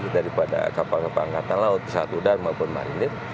daripada kapal kepengangkatan laut pesawat udara maupun marindir